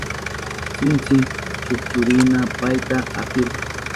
Sinchi chukchurina payta apirka.